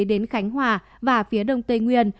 đến khánh hòa và phía đông tây nguyên